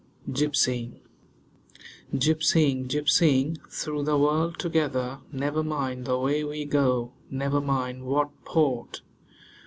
GYPSYING GYPSYING, gypsying, through the world together, Never mind the way we go, never mind what port.